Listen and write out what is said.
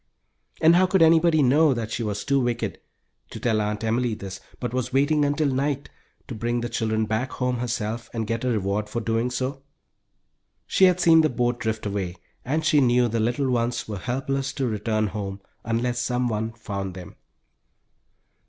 And how could anybody know that she was too wicked to tell Aunt Emily this, but was waiting until night, to bring the children back home herself, and get a reward for doing so? She had seen the boat drift away and she knew the little ones were helpless to return home unless someone found them.